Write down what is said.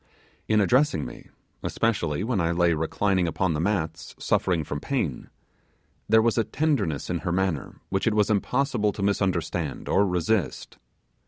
In addressing me especially when I lay reclining upon the mats suffering from pain there was a tenderness in her manner which it was impossible to misunderstand or resist.